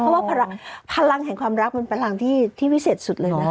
เพราะว่าพลังแห่งความรักมันพลังที่วิเศษสุดเลยนะ